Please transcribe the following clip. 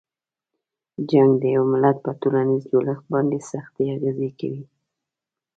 جنګ د یوه ملت په ټولنیز جوړښت باندې سختې اغیزې کوي.